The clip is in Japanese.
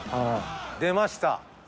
出ました。